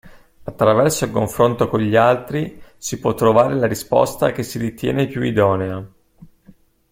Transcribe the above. Attraverso il confronto con gli altri, si può trovare la risposta che si ritiene più idonea.